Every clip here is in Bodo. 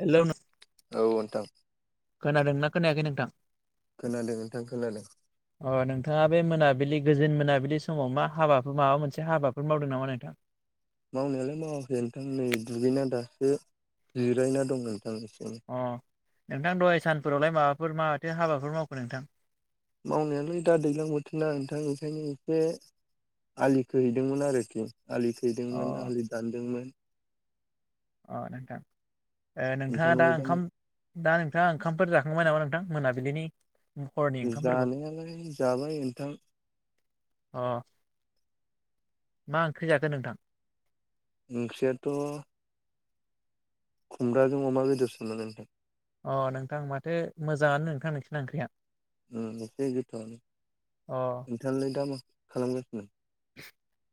हेल' नों औ नोंथां खोनादोंना खोनायाखै नोंथां खोनादों नोंथां खोनादों अ नोंथाङा बे मोना बिलि गोजोन मोनाबिलि समाव मा हाबाफोर माबा मोनसे हाबाफोर मावदों नामा नोंथां मावनायालाय मावाखै नोंथां नै दुगैना दासो जिरायना दं एसे अ नोंथां दहाय सानफोरावलाय माबाफोर माथो हाबाफोर मावखो नोंथां मावनायालाय दा दैज्लां बोथोरना नोंथां ओंखायनो एसे आलि खोहैदोंमोन आरोखि आलि अ खोहैदोंमोन आलि दानदोंमोन अ नोंथां नोंथाङा दा नोंथांलाय मा ओंखाम दा नोंथाङा ओंखामफोर जाखांबाय नामा नोंथ थां मोनाबिलिनि हरनि ओंखामफोरखौ जानायालाय जाबाय नोंथां अ मा ओंख्रि जाखो नोंथां ओंख्रियाथ' खुमब्राजों अमा बेदेरसोमोन नोंथां अ नोंथां माथो मोजाङानो नोंथां नोंसिना ओंख्रिया एसे गोथावआनो अ नोंथाङालाय दा मा खालामगासिनो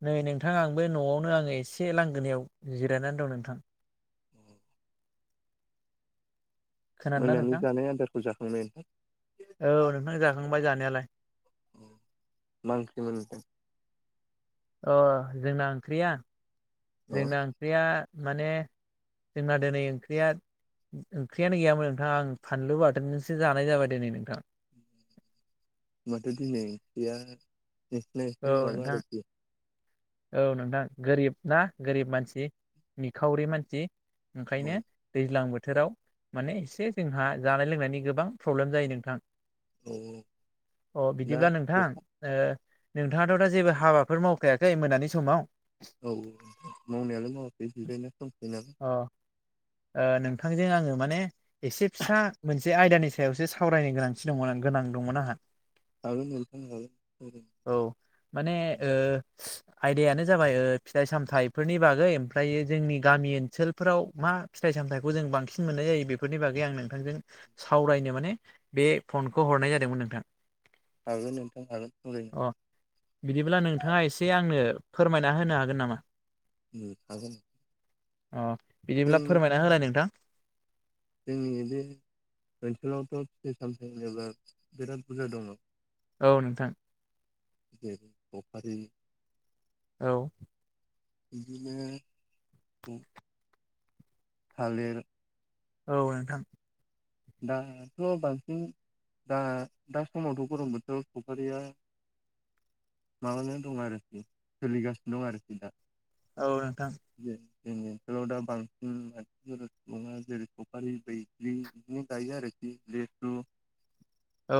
नै नोंथां आंबो न'आवनो आङो एसे लांगोनायाव जिरायनानै दं नोंथां खोनादोंना मोनानि नोंथां जानाय आदारखौ जाखांबाय नोंथां औ नोंथां जाखांबाय जानायालाय मा ओंख्रिमोन अ जोंना ओंख्रिया अ जोंना ओंख्रिया माने जोंना दिनै ओंख्रिया ओंख्रियानो गैयामोन नोंथां आं फानलु बाथोनजोंसो जानाय जाबाय दिनै नोंथां [inaudible] होनबाथो दिनैनिया नोंसिना औ एसे माबा नोंथां आरोखि औ नोंथां गोरिब ना गोरिब मानसि निखावरि मानसि औ ओंखायनो दैज्लां बोथोर बोथोराव माने एसे जोंहा जानाय लोंनायनि गोबां प्रब्लेम जायो नोंथां औ अ दा बिदिब्ला नोंथां अखा नोंथाङाथ' दा जेबो हाबाफोर मावखायाखै मोनानि समाव औ मावनायालाय मावाखै जिरायनासो दंथ'यो नालाय अ नोंथांजों आङो माने एसे फिसा मोनसे आयदानि सायावसो सावरायनो गोनांथि दङ गोनां दंमोन आंहा हागोन नोंथां हागोन सावरायनो औ माने ओ आयदायानो जाबाय फिथाइ सामथाइफोरनि बागै ओमफ्राय जोंनि गामि ओन ओनसोलफोराव मा फिथाइ सामथाइखौ जों बांसिन मोननाय जायो बेफोरनि बागै आं नोंथांजों सावरायनो माने बे फनखौ हरनाय जादोंमोन नोंथां हागोन नोंथां हागोन सावरायनो अ बिदिब्ला नोंथाङा एसे आंनो फोरमायना होनो हागोन नामा ओ हागोन अ जों बिदिब्ला फोरमायना होलाय नोंथां जोंनि बे ओनसोलावथ फिथाइ सामथ होनोब्ला बिराद बुरजा दङ औ नोंथां [unintelligible] औ इदिनो थालिर औ नोंथां दाथ बांसिन दा दा समावथ गरम बोथोराव सावफारिया माबानानै दं आरोखि सोलिगासिनो दं आरोखि दा औ नोंथां जोंनि ओनसोलाव दा बांसिन मानसिफोरा सुबुङा जेरै सफारि बै बिनि गाय आरोख लेु औ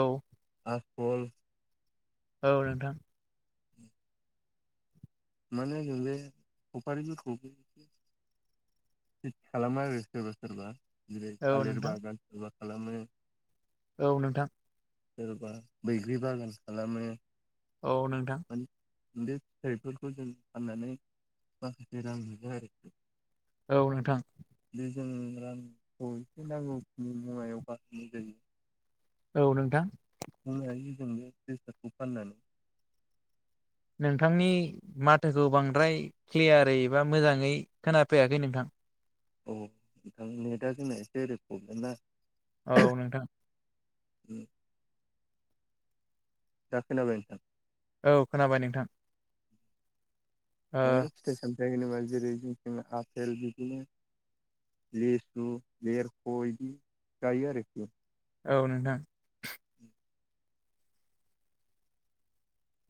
आसफल औ नोंथां माने नैबे सफारिफोरखौ खेथि खालामो आरो सोरबा सोरबा जेरै औ नोंथां थालिरबा गान सोरबा खालामो औ नोंथां सोरबा बैग्रि बागान खालामो औ नोंथां बे बे फिथाइफोरखौ जों फाननानै माखासे रां मोनो आरोखि औ नोंथां बे जों रांखौ एसे नांगौखिनि मुवायाव बाहनाय जायो औ नोंथां बुंनो हायो जों बे बेसादखौ फाननानै नोंथांनि माथोखौ बांद्राय क्लियारै बा मोजाङै खोनाफैयाखै नोंथां औ नोंथां नेटआ जोंना एसे ओरै प्रब्लेम जादों औ नोंथां उम दा खोनाबाय? औ खोनाबाय नोंथां ओ माने फिथाइ सामथायाइ होनोबा जेरै जों जों आफेल बिदिनो लेसु लेरखय बि जायो आरोखि औ नोंथां [inaudible]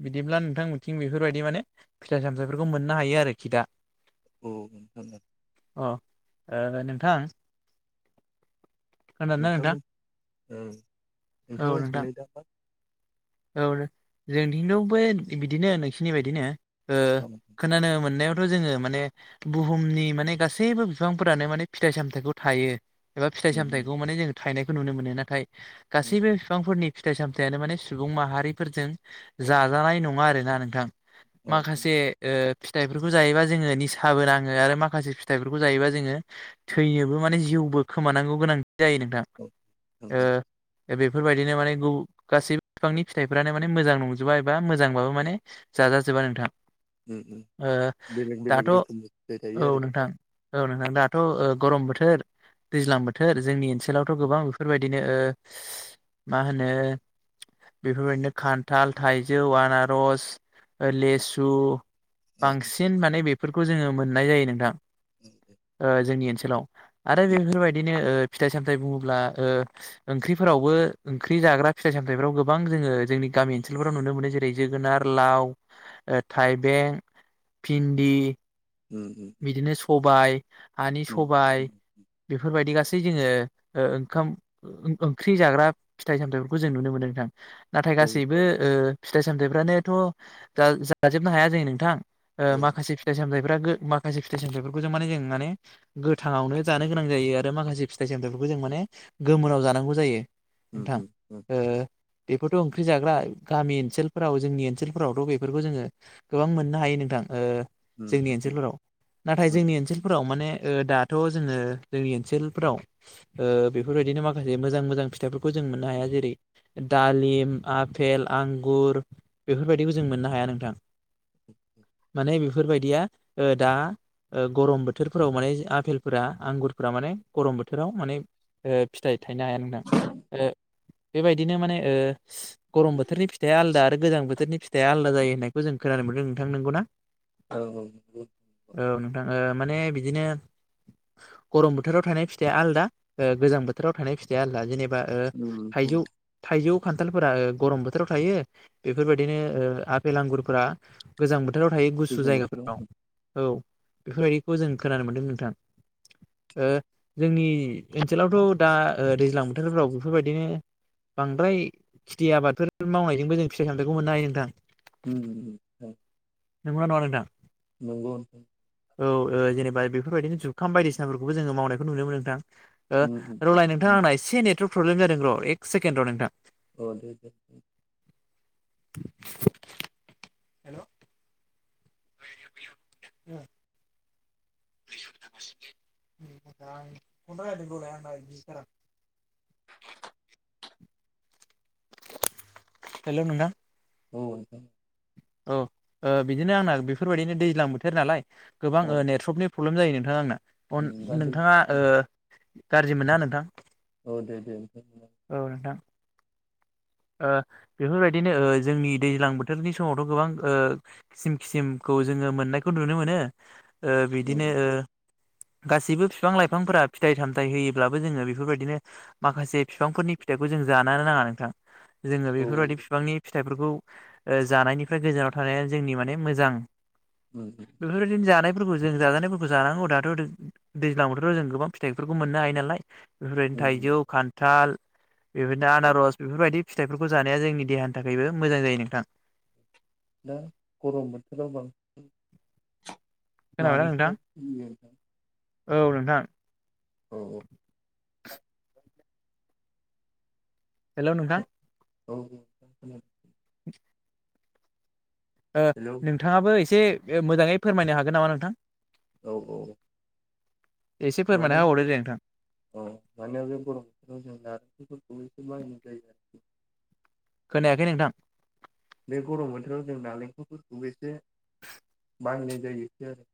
बिदिब्ला नोंथांमोनथिं बेफोरबायदि माने फिथाइ सामथाइफोरखौ मोननो हायो आरोखि दा औ अ नोंथां खोनादोंना नोंथां नोंथांमोन औ नोंथां नोंथांमोनिथिंजाय औ जोंथिंथ बै बिदिनो नोंखिनि बायदिनो औ उम खोनानो मोननायाव थ जोङो माने बुहुमनि माने गासैबो बिफांफोरानो माने फिथाइ सामथाइखौ थायो एबा फिथाइ सामथायाइखौ उम माने जों थायनायखौ नुनो मोनो नाथाय गासैबो बिफांफोरनि फिथाइ सामथायानो माने सुबुं माहारिफोरजों जाजानाय नङा आरोना नोंथां औ माखासे फिथाइफोरखौ जायोबा जोङो निसाबो नाङो आरो माखासे फिथाइफोरखौ जायोबा जोङो थैनोबो माने बो खोमानांगौ गोनां जायो नोंथां औ औ औ बेफोरबायदिनो माने गासैबो बिफांनि फिथाइफ्रानो माने मोजां नंजोबा एबा मोजांबाबो माने जाजाजोबा नोंथां उम उम बेलेग बेलेग दाथ रोखोमनि फिथाइ थायो औ आरोखि नोंथां औ नोंथां दाथ गरम बोथोर दैज्लां बोथोर जोंनि ओनसोलावथ औ गोबां बेफोरबायदिनो मा होनो बेफोरबायदिनो खान्थाल थाइजौ आनारस लेसु औ बांसिन माने बेफोरखौ जोङो मोननाय जायो नोंथां जोंनि ओनसोल ओनसोलाव आरो बेफोरबायदिनो फिथाइ सामथायाइ बुङोब्ला ओंख्रिफोरावबो ओंख्रि जाग्रा फिथाइ सामथ फ्राव गोबां जोङो जोंनि गामि ओनसोलफोराव नुनो मोनो जेरै जोगोनार लाव थाइबें भिन्दि उम उम बिदिनो सबाय हानि उम सबाय उम बेफोरबायदि गसि गासै जोङो ओख ओंख्रि जाग्रा फिथाइ सामथथायफोरखौ जों नुनो मोनदों नोंथां नाथाय औ गासैबो फिथाइ सामथायाइफ्रानोथ जाजोबनो हाया जों नोंथां माखासे फिथाइ सामथायफ्रा माखासे फिथाइ सामथथायफोरखौ जों माने जों माने गोथाङावनो जानो गोनां जायो आरो माखासे फिथाइ सामथथायफोरखौ जों माने गोमोनाव जानांगौ जायो उम नोंथां उम उम बेफोरथ ओंख्रि जाग्रा गामि ओनसोलफोराव जोंनि ओनसोलफोरावथ बेफोरखौ जोङो गोबां मोननो हायो नोंथां उम जोंनि उम ओनसोलफोराव नाथाय उम जोंनि ओनसोलफोराव माने दाथ जोङो जोंनि ओनोलफ्राव बेफोरबायदिनो माखासे मोजां मोजां फिथफोरखौ जों मोननो हाया जेरै दालिम आफेल आंगुर बेफोरबायदिखौ जों मोननो हाया नोंथां माने बेफोरबायदिया दा गरम बोथोरफोराव माने आफेलफोरा आंगुरफोरा माने गरम बोथोराव माने फिथाइ थायनो हाया नोंना बेबायदिनो माने गरम बोथोरनि फिथाइया आलादा आरो गोजां बोथोरनि फिथाइ दाया आलादा जायो होननायखौ जों खोनानो मोनदों नोंथां नोंगौना? औ औ औ नोंथाङो माने बिदिनो गरम बोथोराव थानाय फिथाइया आलदा गोजां बोथोराव थानाय फिथाइया आलादा जेनेबा नोंथां थाइजौ थाइजौ खान्थालफोरा गरम बोथोराव थायो बेफोरबायदिनो आफपेल आंगुरफोरा गोजां बोथोराव थायो गुसु गोजां बोथोराव जायगाफोराव उम औ बेफोरबायदिखौ जों खोनानो मोन्दों नोंथां [inaudible] जोंनि ओनसोलावथ दा दैज्लां बोथोरफ्राव बेफोरबायदिनो बांद्राय खेथि आबादफोर मावनायजोंबो जों फिथाइ सामथाइखौबो मोननो हायो नोंथां हम नंगौना नङा नोंथां नोंगौ औ जेनेबा बेफोरबायदिनो जुखाम बायदिसिनाफोरखौबो जोङो मावनायखौ नुनो मोनो नोंथां औ रलाय नोंथां आंना एसे नेटवार्क प्रब्लेम जादों र एक सेकेणड र नोंथां औ दे दे हेलौ औ [unintelligible] हेलौ नोंथां औ औ बिदिनो आंना बेफोरबायदिनो दैज्लां बोथोर नालाय गोबां औ नेथस्रपनि प्रब्लेम जायो नोंथाङा आंना दा दै नोंथाङा गाज्रि मोना नोंथां औ दे दे औ नोंथां बेफोरबायदिनो जोंनि दैज्लां बोथोरनि समावथ गोबां खिसिम खिसिमखौ जोङो मोननायखौ नुनो मोनो बिदिनो गासिबो बिफां लाइफांफोरा फिथाइ थामथाइ होयोब्लाबो जोङो बेफोरबायदिनो माखासे बिफांफोरनि फिथाइखौ जों जानो नाङा नोंथां जोङो औ बेफोरबादि बिफांनि फिथाइफोरखौ जानायनिफ्राय गोजानाव थानाया जोंनि माने मोजां बेफोरबादिनो जानाय फोरखौ जों जाजानायफोरखौ जानांगौ दाथ' दैज्लाङावथ' जों गोबां फिथाइफोरखौ मोननो हायो नालाय बेफोर बायदिनो थाइजौ खान्थाल बेबायदिनो आनारस बेफोरबायदि फिथाइफोरखौ जानाया जोंनि देहानि थाखायबो मोजां जायो नोंथां दा गरम बोथोराव बां खोनाबायना नोंथां [unintelligible] औ नोंथां औ औ हेल' नोंथां औ औ हेलौ नोंथाङाबो एसे मोजाङै फोरमायनो हागोन नामा नोंथां औ औ एसे माने फोरमायना होबावदो दे नोंथां औ माने बे गरम बोथोराव जों नारेंखलफोरखौबो [unintelligible] खोनायाखै नोंथां बे गरम बोथोराव जों नालेंखलफोरखौबो एसे [inaudible] बाहायनाय जायो बिदि‌ आरो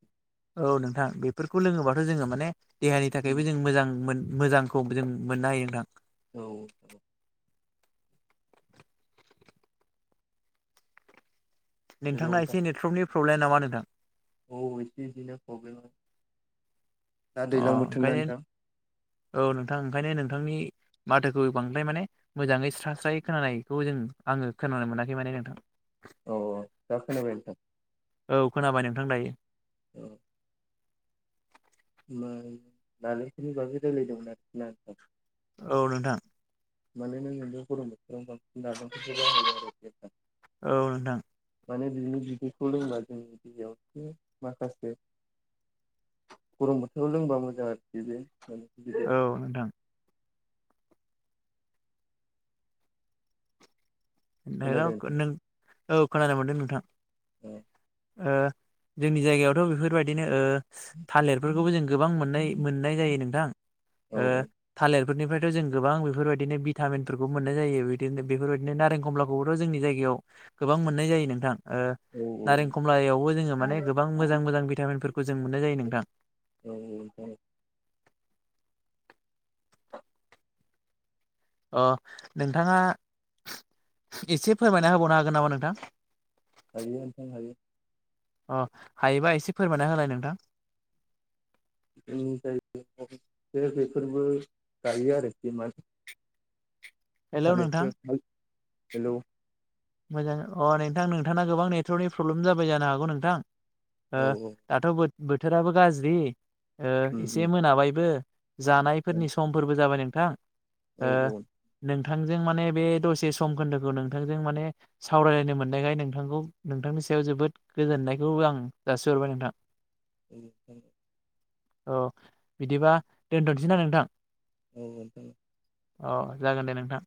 औ नोंथां बेफोरखौ लोङोबाथ' जोङो माने देहानि आरो थाखायबो जों मोजां मोन मोजांखौ जों मोननो हायो नोंथां औ औ हेलौ नोंथांना नोंथां एसे नेटवर्कनि प्रब्लेम नामा नोंथां औ एसे बिदिनो प्रब्लेम आरो दा अ दैज्लां बोथोरना ओंखायनो नोंथां औ नोंथां ओंखायनो नोंथांनि माथोखौ बांद्राय माने मोजाङै स्रा स्रायै खोनानायखौ जों आङो खोनानो मोनाखै माने नोंथां औ दा खोनाबाय नोंथां औ खोनाबाय नोंथां दायो औ होमबा नालेंखरनि बागै रायलायदोंमोन आरोखि ना आं औ नोंथां माने [unintelligible] गरम बोथोराव बांसिन नालेंखरखौ बाहायो आरो औ नोंथां माने बिनि बिदैखौ लोंबा जोंनि देहायावबो माखासे गरम बोथोराव लोंबा मोजां आरोखि बे बिदैया औ नोंथां नों खोनादों नोंथां औ खोनानो मोनदों नोंथां ए ओ जोंनि जायगायावथ' बेफोरबायदिनो ओ थालिरफोरखौबो जों गोबां मोननाय मोननाय जायो नोंथां औ ओ थालिर निफ्रायथ' जों गोबां बेफोरबायदिनो भिटामिन मोननाय जायोनो बेफोर बायदिनो नारें खमलाखौबोथ' जोंनि जायगायाव गोबां मोननाय जायो नोंथां औ नारें खमलायावबो जोङो माने गोबां मोजां मोजां भिटामिनफोरखौ जों मोननाय जायो नोंथां ओं नोंथां ओं अ नोंथाङा एसे फोरमायना होबावनो हागोन नामा नोंथां हायो नोंथां हायो अ हायोबा एसे फोरमायना होलाय नोंथां जोंनि जायगायाव बेफोरबो गायो आरो हेलौ नोंथां [unintelligible] हेल' मोजां अ नोंथां नोंथांना गोबां नेटवर्कनि प्रब्लेम जाबाय जानो हागौ नोंथां ओ औ औ दाथ' बोथ बोथोराबो गाज्रि उम एसे उम मोनाबायबो जानायफोरनि औ समफोरबो जाबाय नोंथां ओ औ औ नों थांजों माने बे दसे सम खोन्दोखौ नोंथांजों माने सावरायलायनो मोननायखाय नोंथांखौ नोंथांनि सायाव जोबोद गोजोननायखौ आं जासिहरबाय नोंथां औ औ औ बिदिबा दोनथ'सै ना नोंथां औ औ औ जागोन दे नोंथां